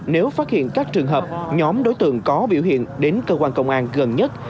nếu phát hiện các trường hợp nhóm đối tượng có biểu hiện đến cơ quan công an gần nhất